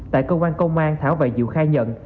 tại cơ quan công an thảo và diệu khai nhận